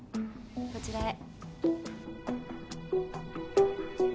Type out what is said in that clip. こちらへ。